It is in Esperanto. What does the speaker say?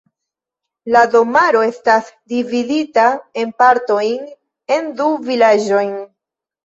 La domaro estas dividita en partojn en du vilaĝojn.